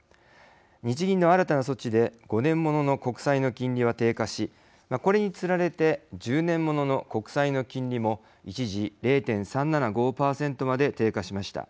日銀の新たな措置で５年ものの国債の金利は低下しこれにつられて１０年ものの国債の金利も一時、０．３７５％まで低下しました。